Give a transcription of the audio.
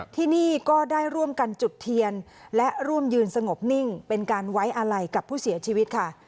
ที่นี่ก็ได้ร่วมกันจุดเทียนและร่วมยืนสงบนิ่งเป็นการไว้อาลัยกับผู้เสียชีวิตค่ะ